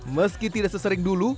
meski tidak sesering dulu